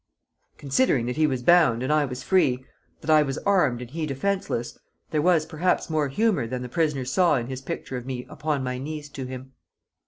Considering that he was bound and I was free, that I was armed and he defenceless, there was perhaps more humour than the prisoner saw in his picture of me upon my knees to him.